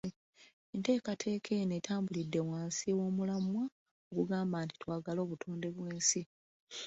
Enteekateeka eno etambulidde wansi w’omulamwa ogugamba nti, “Twagale obutonde bw’ensi.”